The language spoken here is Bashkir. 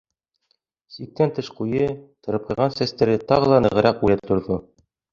Сиктән тыш ҡуйы, тырпайған сәстәре тағы ла нығыраҡ үрә торҙо.